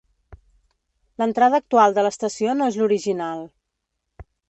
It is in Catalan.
L'entrada actual de l'estació no és l'original.